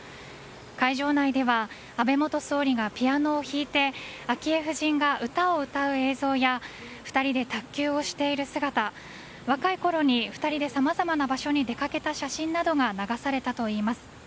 会場内では安倍元総理がピアノを弾いて昭恵夫人が歌を歌う映像や２人で卓球をしている姿若いころに２人でさまざまな場所に出かけた写真などが流されたといいます。